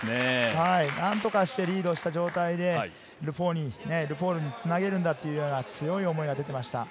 何とかしてリードした状態でルフォールにつなげるんだという強い思いが出ていました。